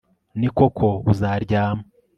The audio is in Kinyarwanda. Ni koko uzaryama